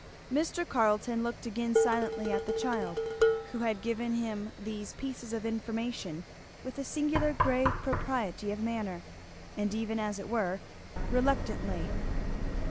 Mr. Carleton looked again silently at the child, who had given him these pieces of information with a singular grave propriety of manner, and even as it were reluctantly.